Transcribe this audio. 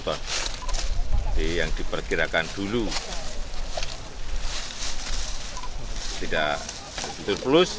jadi yang diperkirakan dulu tidak itu plus